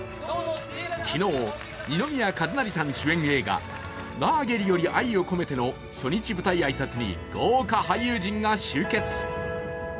昨日、二宮和也さん主演映画「ラーゲリより愛を込めて」の初日舞台挨拶に豪華俳優陣が集結。